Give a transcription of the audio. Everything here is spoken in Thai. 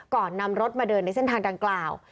ก่อนนำรถมาเดินในเส้นทางดังกล่าว